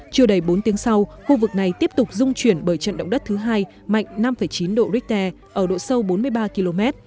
chưa đầy bốn tiếng sau khu vực này tiếp tục dung chuyển bởi trận động đất thứ hai mạnh năm chín độ richter ở độ sâu bốn mươi ba km